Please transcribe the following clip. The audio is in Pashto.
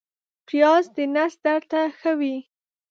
پیاز د نس درد ته ښه وي